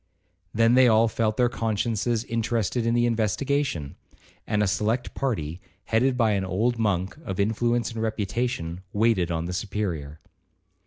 Then they all felt their consciences interested in the investigation; and a select party, headed by an old monk of influence and reputation, waited on the Superior.